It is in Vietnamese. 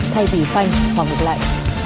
thay vì phanh hoặc ngục lại